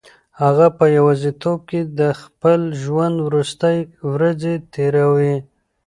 هغه په یوازیتوب کې د خپل ژوند وروستۍ ورځې تېروي.